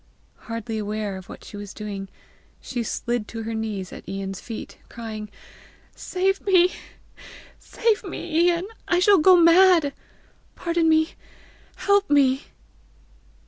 Hardly aware of what she was doing, she slid to her knees at Ian's feet, crying, "Save me, save me, Ian! I shall go mad! Pardon me! Help me!"